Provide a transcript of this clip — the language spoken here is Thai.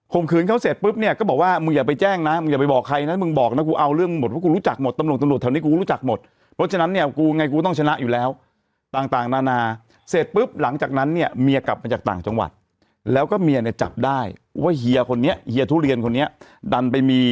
คืนเขาเสร็จปุ๊บเนี่ยก็บอกว่ามึงอย่าไปแจ้งนะมึงอย่าไปบอกใครนะมึงบอกนะกูเอาเรื่องหมดเพราะกูรู้จักหมดตำรวจตำรวจแถวนี้กูรู้จักหมดเพราะฉะนั้นเนี่ยกูไงกูต้องชนะอยู่แล้วต่างนานาเสร็จปุ๊บหลังจากนั้นเนี่ยเมียกลับมาจากต่างจังหวัดแล้วก็เมียเนี่ยจับได้ว่าเฮียคนนี้เฮียทุเรียนคนนี้ดันไปมี